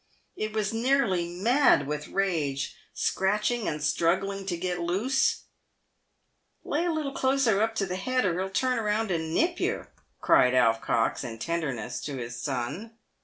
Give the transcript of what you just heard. It was nearly mad with rage, scratching and struggling to get loose. " Lay hold a little closer up to the head, or he'll turn round and nip yer," cried Alf Cox, in tenderness, to his son.